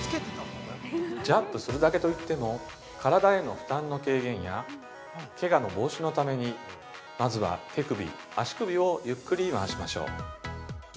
◆ジャンプするだけといっても体への負担の軽減やけがの防止のためにまずは手首足首をゆっくり回しましょう。